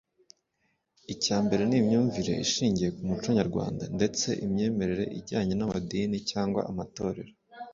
icyambere ni imyumvire ishingiye ku muco nyarwanda ndetse imyemerere ijyanye n’amadini cyangwa amatorero”